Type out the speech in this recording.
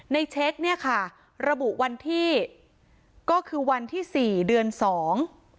เช็คเนี่ยค่ะระบุวันที่ก็คือวันที่สี่เดือนสอง